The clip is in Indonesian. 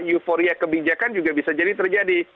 euforia kebijakan juga bisa jadi terjadi